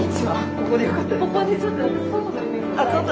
ここでちょっと。